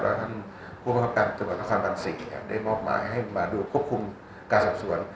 แล้วท่านผู้ประกันจังหวัดนครบันสี่เนี่ยได้มอบหมายให้มาดูควบคุมการสอบสวน